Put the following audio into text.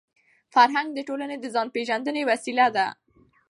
فرهنګ د ټولني د ځان پېژندني وسیله ده.